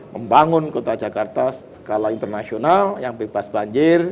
membangun kota jakarta skala internasional yang bebas banjir